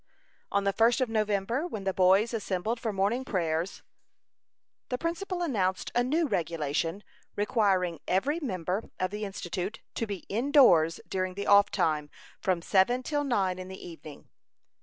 On the first of November, when the boys assembled for morning prayers, the principal announced a new regulation, requiring every member of the Institute to be in doors during the off time, from seven till nine in the evening.